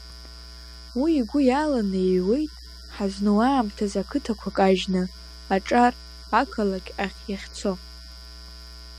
Уи игәы иаланы иҩуеит ҳазну аамҭазы ақыҭақәа кажьны, аҿар ақалақь ахь иахьцо.